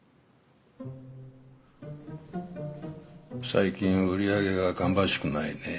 最近売り上げが芳しくないね。